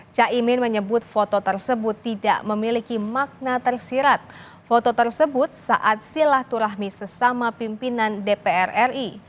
caimin menyebut foto tersebut tidak memiliki makna tersirat foto tersebut saat silaturahmi sesama pimpinan dpr ri